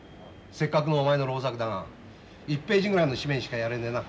せっかくのお前の労作だが１ページぐらいの紙面しかやれんでな